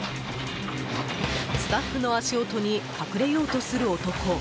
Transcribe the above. スタッフの足音に隠れようとする男。